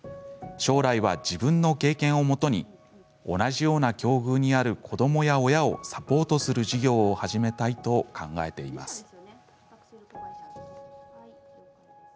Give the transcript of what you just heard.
将来は、自分の経験をもとに同じような境遇にある子どもや親をサポートする事業を始めたいと考えています。